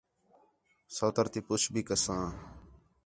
سوتر تی پُچھ بھی کساں